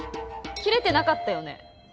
切れてなかったよね？